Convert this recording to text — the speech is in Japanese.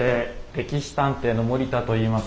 「歴史探偵」の森田といいます。